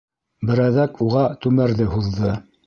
Берәҙәк уға түмәрҙе һуҙҙы.